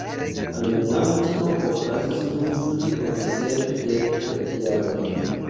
Almenaŭ tio okazis dum pli ol sep dek jaroj.